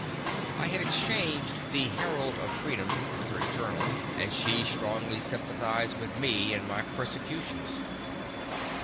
I had exchanged The Herald of Freedom with her journal and she strongly sympathized with me in my persecutions.